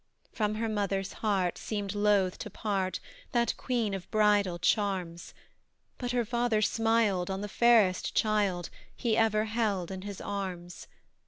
From her mother's heart seemed loath to part That queen of bridal charms, But her father smiled on the fairest child He ever held in his arms.